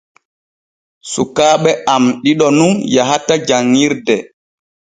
Sukaaɓe am ɗiɗo nun yahata janŋirde.